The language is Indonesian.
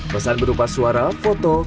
pesan berupa suara foto